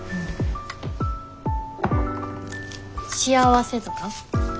幸せとか？